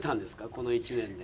この１年で。